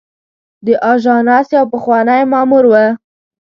د آژانس یو پخوانی مامور و.